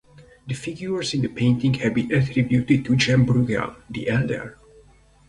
The figures in the painting have been attributed to Jan Brueghel the Elder.